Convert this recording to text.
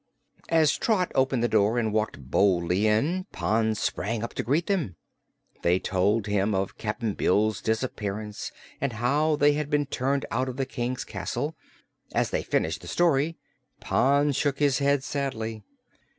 As Trot opened the door and walked boldly in, Pon sprang up to greet them. They told him of Cap'n Bill's disappearance and how they had been turned out of the King's castle. As they finished the story Pon shook his head sadly.